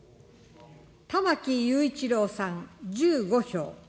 玉木雄一郎さん１５票。